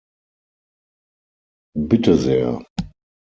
Bitte sehr.